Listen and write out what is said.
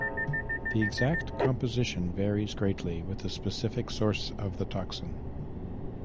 The exact composition varies greatly with the specific source of the toxin.